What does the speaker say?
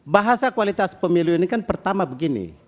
bahasa kualitas pemilu ini kan pertama begini